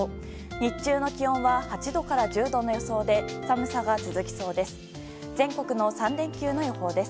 日中の気温は８度から１０度の予想で寒さが続きそうです。